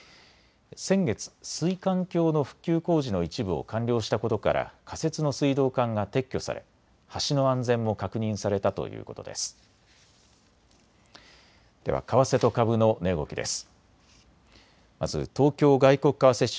先月、水管橋の復旧工事の一部を完了したことから仮設の水道管が撤去され橋の安全も確認されたということです。